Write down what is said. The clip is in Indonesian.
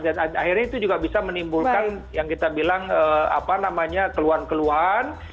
dan akhirnya itu juga bisa menimbulkan yang kita bilang apa namanya keluhan keluhan